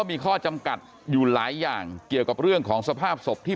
มีข้อจำกัดอยู่หลายอย่างเกี่ยวกับเรื่องของสภาพศพที่